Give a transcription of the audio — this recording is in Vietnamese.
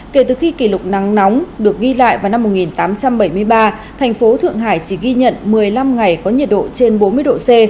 kể từ khi kỷ lục nắng nóng được ghi lại vào năm một nghìn tám trăm bảy mươi ba thành phố thượng hải chỉ ghi nhận một mươi năm ngày có nhiệt độ trên bốn mươi độ c